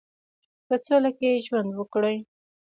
په سوله کې ژوند وکړي.